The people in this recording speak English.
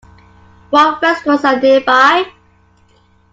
What restaurants are nearby?